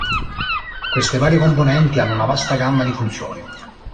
Queste varie componenti hanno una vasta gamma di funzioni.